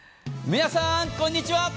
皆さん、こんにちは。